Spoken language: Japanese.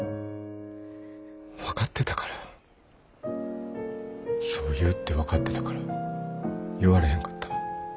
分かってたからそう言うって分かってたから言われへんかった。